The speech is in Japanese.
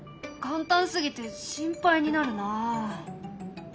簡単すぎて心配になるな。